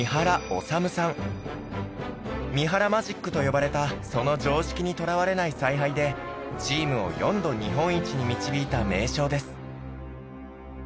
三原マジックと呼ばれたその常識にとらわれない采配でチームを４度日本一に導いた名将です。